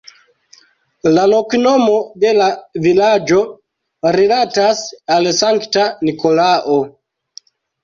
La loknomo de la vilaĝo rilatas al sankta Nikolao.